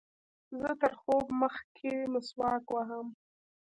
زه تر خوب مخکښي مسواک وهم.